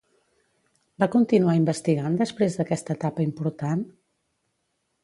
Va continuar investigant després d'aquesta etapa important?